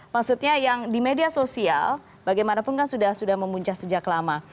maksudnya yang di media sosial bagaimanapun kan sudah memuncah sejak lama